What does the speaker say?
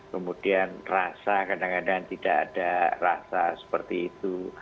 kemudian rasa kadang kadang tidak ada rasa seperti itu